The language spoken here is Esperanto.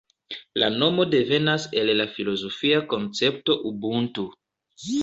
La nomo devenas el la filozofia koncepto Ubuntu.